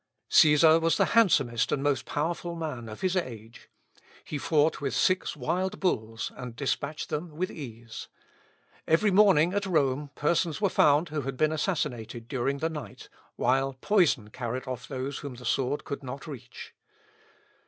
Cæsar was the handsomest and most powerful man of his age. He fought with six wild bulls, and despatched them with ease. Every morning at Rome persons were found who had been assassinated during the night, while poison carried off those whom the sword could not reach.